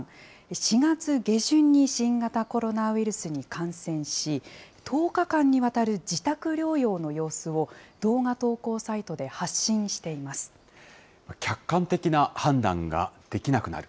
４月下旬に新型コロナウイルスに感染し、１０日間にわたる自宅療養の様子を動画投稿サイトで発信していま客観的な判断ができなくなる。